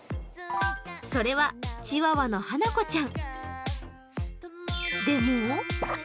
それは、チワワのはなこちゃん。